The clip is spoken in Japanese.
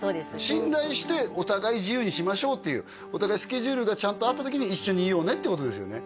信頼してお互い自由にしましょうっていうお互いスケジュールがちゃんと合った時に一緒にいようねってことですよね